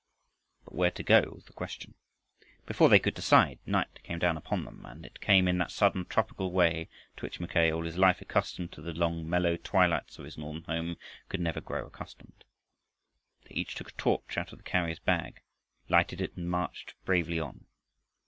But where to go was the question. Before they could decide, night came down upon them, and it came in that sudden tropical way to which Mackay, all his life accustomed to the long mellow twilights of his northern home, could never grow accustomed. They each took a torch out of the carrier's bag, lighted it, and marched bravely on.